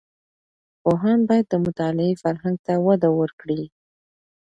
پوهاند باید د مطالعې فرهنګ ته وده ورکړي.